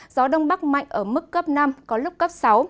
gió đông bắc mạnh ở mức cấp năm có lúc cấp sáu